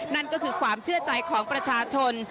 นั่นก็คือความเชื่อใจของประชาชน